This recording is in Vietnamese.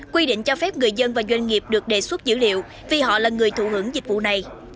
quy định cho phép người dân và doanh nghiệp được đề xuất dữ liệu vì họ là người thụ hưởng dịch vụ này